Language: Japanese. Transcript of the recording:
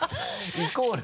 イコール。